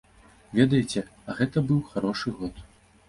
Ведаеце, а гэта быў харошы год.